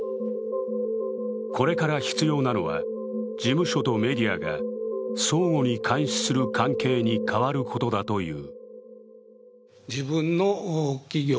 これから必要なのは、事務所とメディアが相互に監視する関係に変わることだという。